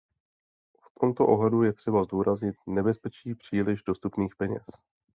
V tomto ohledu je třeba zdůraznit nebezpečí příliš dostupných peněz.